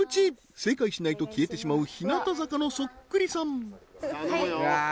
正解しないと消えてしまう日向坂のそっくりさん頼むよ